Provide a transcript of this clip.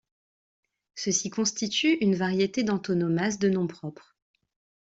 Ceci constitue une variété d'antonomase de nom propre.